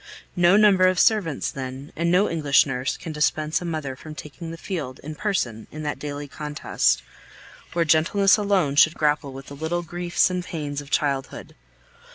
No number of servants, then, and no English nurse can dispense a mother from taking the field in person in that daily contest, where gentleness alone should grapple with the little griefs and pains of childhood.